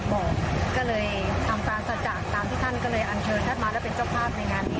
ท่านมาแล้วเป็นเจ้าภาพในงานนี้